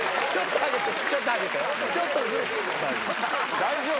大丈夫？